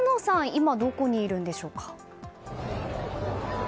今どこにいるんでしょうか。